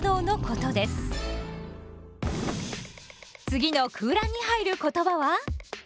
次の空欄に入る言葉は？